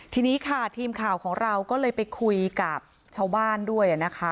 ทีนี้ค่ะทีมข่าวของเราก็เลยไปคุยกับชาวบ้านด้วยนะคะ